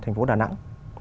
thành phố đà nẵng